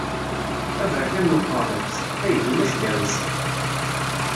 Aberkan n uqeṛṛu, sḥeq-it, ulac daɛwessu.